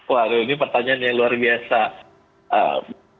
waduh ini pertanyaan yang luar biasa